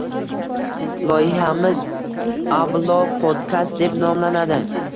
Loyihamiz “Avlo podkast” deb nomlanadi